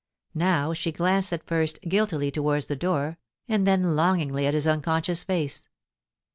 Now she glanced at first guiltily towards the door, and then longingly at his unconscious face.